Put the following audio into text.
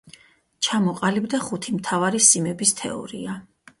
ჩამოყალიბდა ხუთი მთავარი სიმების თეორია.